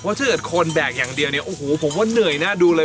เพราะถ้าเกิดคนแบกอย่างเดียวเนี่ยโอ้โหผมว่าเหนื่อยน่าดูเลย